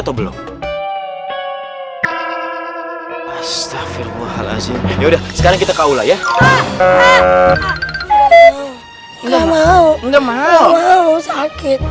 atau belum astagfirullahaladzim ya udah sekarang kita ke ula ya enggak mau enggak mau mau sakit